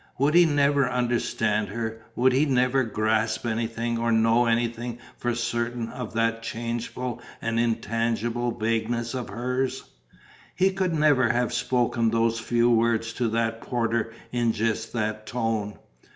Would he never understand her, would he never grasp anything or know anything for certain of that changeful and intangible vagueness of hers? He could never have spoken those few words to that porter in just that tone!